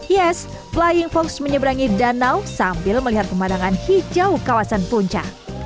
yes flying fox menyeberangi danau sambil melihat pemandangan hijau kawasan puncak